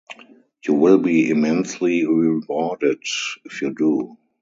You will be immensely rewarded if you do.